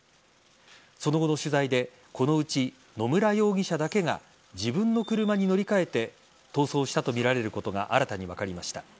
その後の取材でこのうち野村容疑者だけが自分の車に乗り換えて逃走したとみられることが新たに分かりました。